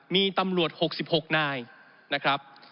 มีตำรวจ๖๖นายนะครับ